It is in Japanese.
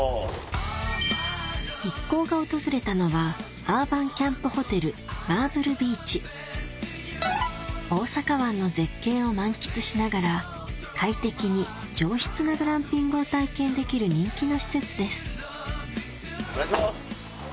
一行が訪れたのは大阪湾の絶景を満喫しながら快適に上質なグランピングを体験できる人気の施設ですお願いします。